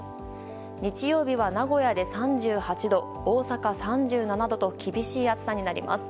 日曜日は名古屋で３８度大阪３７度と厳しい暑さになります。